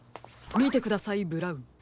みてくださいブラウン。